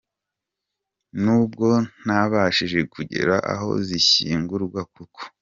Nubwo ntabashije kugera aho zishyingurwa kuko.